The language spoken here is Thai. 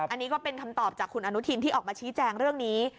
อันนี้ก็เป็นคำตอบจากคุณอนุทินที่ออกมาชี้แจงเรื่องนี้